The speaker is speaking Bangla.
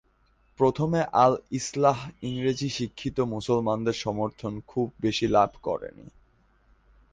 প্রথমে আল ইসলাহ ইংরেজি শিক্ষিত মুসলমানদের সমর্থন খুব বেশি লাভ করেনি।